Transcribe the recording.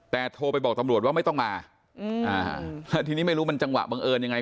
แต่โทรไปบอกตำรวจว่าไม่ต้องมาทีนี้ไม่รู้มันจังหวะบังเอิญยังไง